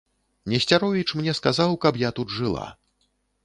Несцяровіч мне сказаў, каб я тут жыла.